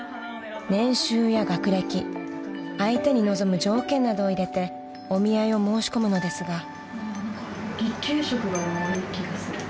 ［年収や学歴相手に望む条件などを入れてお見合いを申し込むのですが］